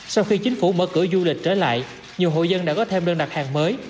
sau khi chính phủ mở cửa du lịch trở lại nhiều hội dân đã có thêm đơn đặt hàng mới